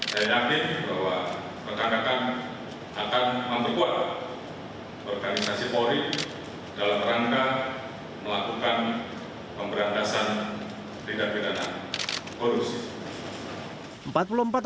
saya yakin bahwa rekan rekan akan memperkuat organisasi polri dalam rangka melakukan pemberantasan tindak pidana korupsi